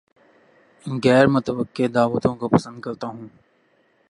غیر متوقع دعوتوں کو پسند کرتا ہوں